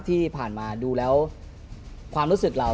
ที่ผ่านมาดูแล้วความรู้สึกเรา